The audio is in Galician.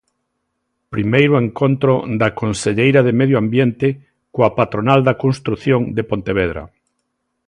Primeiro encontro da conselleira de Medio Ambiente coa patronal da construción de Pontevedra.